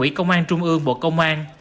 ủy công an trung ương bộ công an